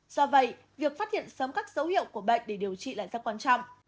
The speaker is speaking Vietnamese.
do vậy việc phát hiện sớm các dấu hiệu của bệnh để điều trị lại rất quan trọng